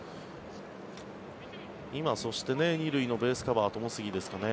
今そして２塁のベースカバー友杉ですかね